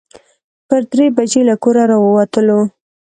پر درې بجې له کوره راووتلو.